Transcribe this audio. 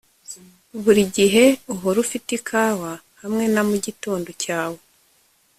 Buri gihe uhora ufite ikawa hamwe na mugitondo cyawe